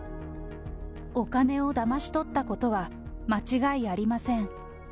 お金をだまし取ったことは間違いありません。